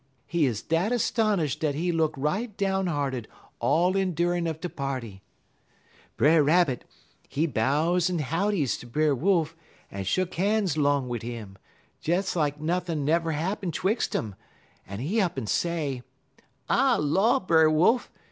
He 'uz dat 'stonish'd dat he look right down hearted all endurin' uv de party. "Brer Rabbit, he bow'd his howdies ter Brer Wolf un shuck han's 'long wid 'im, des like nothin' ain't never happen 'twixt 'um, en he up'n say: "'Ah law, Brer Wolf!